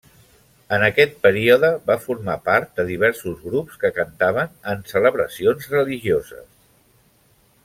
En aquest període va formar part de diversos grups que cantaven en celebracions religioses.